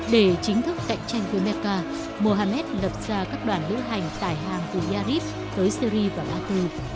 để chính thức cạnh tranh với mecca muhammad lập ra các đoàn lưu hành tải hàng từ yarib tới syri và batu